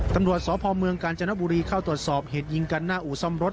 ตำรวจสพเมืองกาญจนบุรีเข้าตรวจสอบเหตุยิงกันหน้าอู่ซ่อมรถ